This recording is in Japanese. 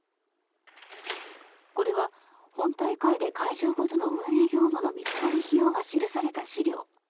これは本大会で会場ごとの運営業務の見積もり費用が記された資料。